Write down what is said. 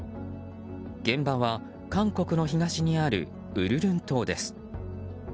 現場は、韓国の東にあるウルルン島です。